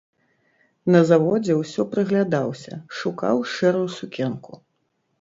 На заводзе ўсё прыглядаўся, шукаў шэрую сукенку.